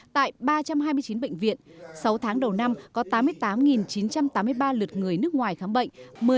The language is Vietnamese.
tại ba trăm hai mươi chín bệnh viện sáu tháng đầu năm có tám mươi tám chín trăm tám mươi ba lượt người nước ngoài khám bệnh